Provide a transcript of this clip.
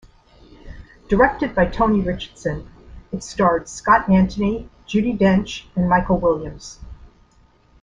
Directed by Tony Richardson, it starred Scott Antony, Judi Dench and Michael Williams.